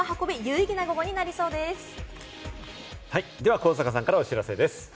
上坂さんからお知らせです。